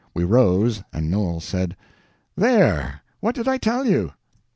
We rose, and Noel said: "There—what did I tell you?